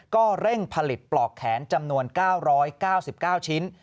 ก็เร่งผลิตปลอกแขนจำนวน๙๙๙ชิ้น